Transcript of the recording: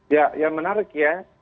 ya ya menarik ya